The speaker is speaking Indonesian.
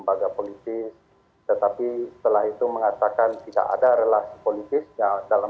bang ferry tidak ada hubungannya dengan tahun politik tahun panas di dua ribu dua puluh empat